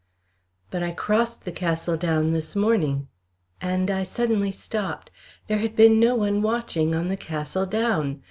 "But I crossed the Castle Down this morning " and I suddenly stopped. There had been no one watching on the Castle Down.